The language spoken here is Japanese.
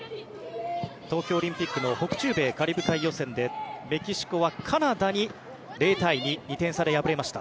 東京オリンピックの北中米カリブ海予選でメキシコはカナダに０対２２点差で敗れました。